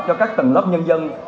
cho các tầng lớp nhân dân